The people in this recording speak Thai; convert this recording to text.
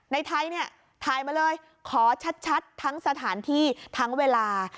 ไทยเนี่ยถ่ายมาเลยขอชัดทั้งสถานที่ทั้งเวลา